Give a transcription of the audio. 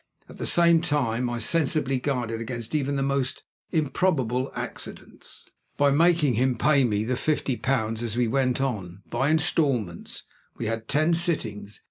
At the same time, I sensibly guarded against even the most improbable accidents, by making him pay me the fifty pounds as we went on, by installments. We had ten sittings.